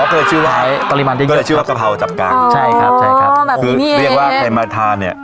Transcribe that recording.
ก็เลยชื่อว่าก็เลยชื่อว่ากะเพราจับกังอ๋อใช่ครับใช่ครับคือเรียกว่าใครมาทานเนี้ย